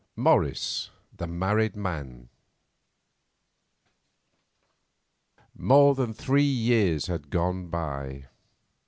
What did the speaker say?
MORRIS, THE MARRIED MAN More than three years had gone by.